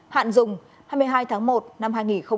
hạn dùng hai mươi hai tháng một năm hai nghìn hai mươi